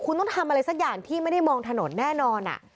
คุณต้องทำอะไรสักอย่างที่ไม่ได้มองถนนแน่นอน